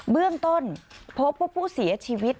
เบื้องต้นพบว่าผู้เสียชีวิต